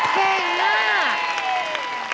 เก่งมาก